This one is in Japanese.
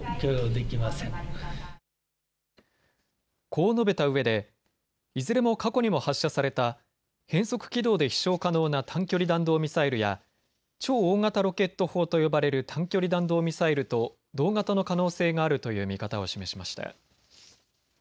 こう述べたうえでいずれも過去にも発射された変則軌道で飛しょう可能な短距離弾道ミサイルや超大型ロケット砲と呼ばれる短距離弾道ミサイルと同型の可能性があるという見方を示しました。